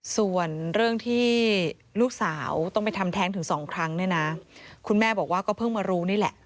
ส่วนเรื่องที่ลูกสาวต้องไปทำแท้งถึงสองครั้งเนี่ยนะคุณแม่บอกว่าก็เพิ่งมารู้นี่แหละ